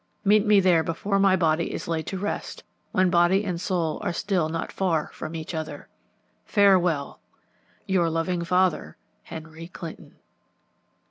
Meet me there before my body is laid to rest, when body and soul are still not far from each other. Farewell. " Your loving father, "Henry Clinton."